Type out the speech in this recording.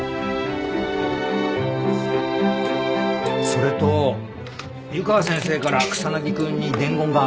それと湯川先生から草薙君に伝言が。